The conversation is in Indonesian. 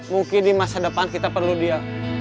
mungkin di masa depan kita perlu dia